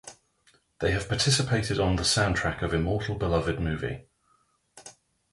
They have participated on the soundtrack of Immortal Beloved movie.